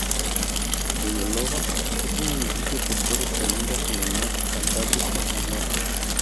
Ruiloba es un municipio costero que linda con el mar Cantábrico al Norte.